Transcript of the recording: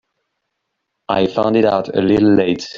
I found it out a little late.